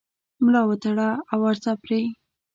ملا وتړه او ورځه پرې